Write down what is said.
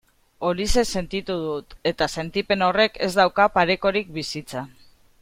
Horixe sentitu dut, eta sentipen horrek ez dauka parekorik bizitzan.